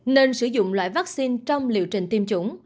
nên sử dụng loại vaccine trong liệu trình tiêm chủng